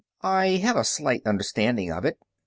"I have a slight understanding of it.